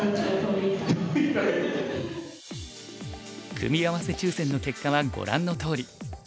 組み合わせ抽選の結果はご覧のとおり。